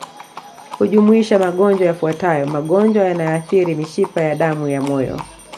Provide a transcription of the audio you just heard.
Hujumuisha magonjwa yafuatayo magonjwa yanayoathiri mishipa ya damu ya moyo